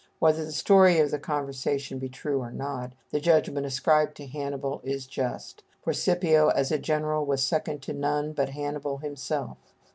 Whether the story of the conversation be true or not, the judgment ascribed to Hannibal is just; for Scipio as a general was second to none but Hannibal himself.